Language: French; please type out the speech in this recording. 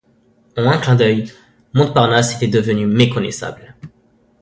En un clin d'oeil, Montparnasse était devenu méconnaissable.